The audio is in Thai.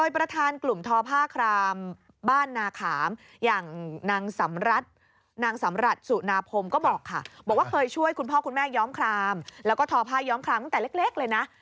พ่อคุณแม่ย้อมครามแล้วก็ทอพ่าย้อมครามตั้งแต่เล็กเลยนะ